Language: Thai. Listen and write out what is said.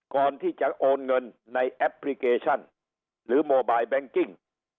ก่อนที่จะโอนเงินในแอปพลิเคชันหรือโมบายแบงกิ้ง